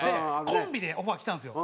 コンビでオファーが来たんですよ。